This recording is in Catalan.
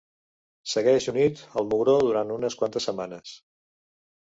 Segueix unit al mugró durant unes quantes setmanes.